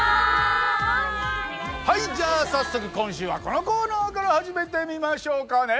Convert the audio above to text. はいじゃあ早速今週はこのコーナーから始めてみましょうかね。